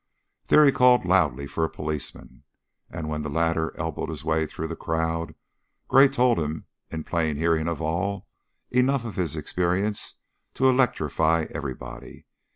There he called loudly for a policeman, and when the latter elbowed his way through the crowd, Gray told him, in plain hearing of all, enough of his experience to electrify everybody.